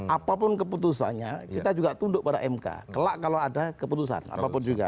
apapun keputusannya kita juga tunduk pada mk kelak kalau ada keputusan apapun juga